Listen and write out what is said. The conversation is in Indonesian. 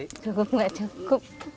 iya cukup gak cukup